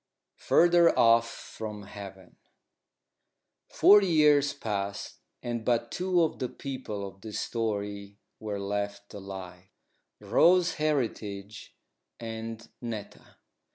FURTHER OFF FROM HEAVEN Forty years passed, and but two of the people of this story were left alive Rose Heritage and Netta.